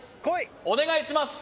お願いします